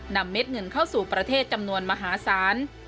เม็ดเงินเข้าสู่ประเทศจำนวนมหาศาล